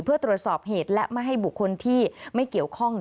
เพื่อตรวจสอบเหตุและไม่ให้บุคคลที่ไม่เกี่ยวข้อง